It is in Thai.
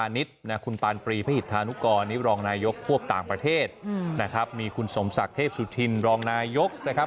พวกต่างประเทศนะครับมีคุณสมศักดิ์เทพสุธินรองนายกนะครับ